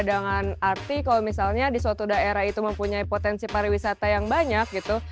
dengan arti kalau misalnya di suatu daerah itu mempunyai potensi pariwisata yang banyak gitu